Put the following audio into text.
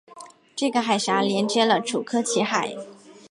这个海峡连接了楚科奇海。